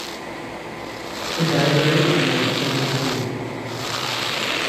The guide rails are made of stainless steel.